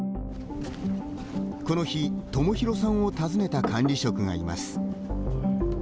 この日、友廣さんを訪ねた管理職がいます。